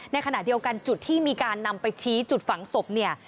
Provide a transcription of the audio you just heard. ในขณะเดียวกันจุดที่มีการนำไปชี้จุดฝังศพเนี่ย